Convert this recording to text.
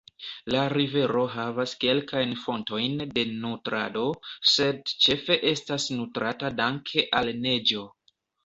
La rivero havas kelkajn fontojn de nutrado, sed ĉefe estas nutrata danke al neĝo.